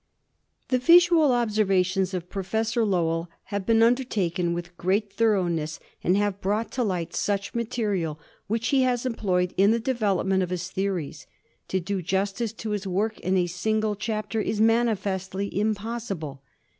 The visual observations of Professor Lowell have been undertaken with great thoroness and have brought to light much material which he has employed in the development of his theories. To do justice to his work in a single chapter is manifestly impossible.